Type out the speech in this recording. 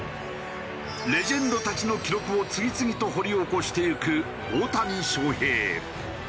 レジェンドたちの記録を次々と掘り起こしていく大谷翔平。